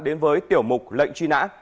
lệnh truy nã